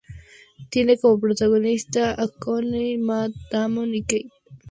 Tiene como protagonistas a Clooney, Matt Damon y Cate Blanchett.